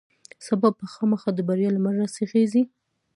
سبا به خامخا د بریا لمر راخیژي.